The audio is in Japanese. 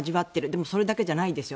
でもそれだけじゃないんです。